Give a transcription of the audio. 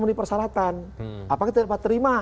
memenuhi persyaratan apakah kita dapat terima